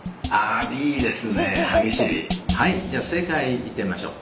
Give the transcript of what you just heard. はいじゃあ正解いってみましょう。